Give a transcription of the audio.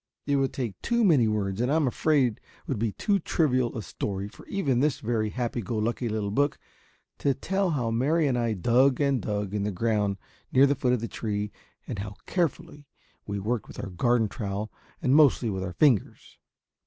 It would take too many words and I am afraid would be too trivial a story for even this very happy go lucky little book to tell how Mary and I dug and dug in the ground near the foot of the tree, and how carefully we worked with our garden trowel and mostly with our fingers!